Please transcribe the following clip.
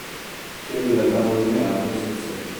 Quai de la Baronnie à Ablon-sur-Seine